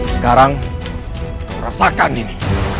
sekarang rasakan ini